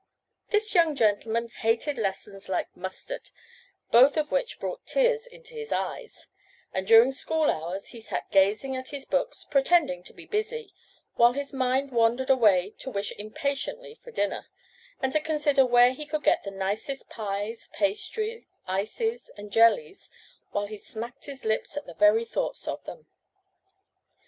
This young gentleman hated lessons like mustard, both of which brought tears into his eyes, and during school hours he sat gazing at his books, pretending to be busy, while his mind wandered away to wish impatiently for dinner, and to consider where he could get the nicest pies, pastry, ices, and jellies, while he smacked his lips at the very thoughts of them.